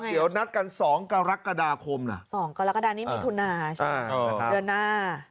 เดี๋ยวนัดกัน๒กรกฎาคม๒กรกฎานี้มิถุนาใช่ไหมเดือนหน้า